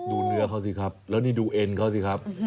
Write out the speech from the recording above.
ดูเนื้อเขาสิครับแล้วนี่ดูเอ็นเขาสิครับ